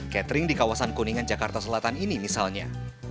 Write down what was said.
catering di kawasan kuningan jakarta selatan ini misalnya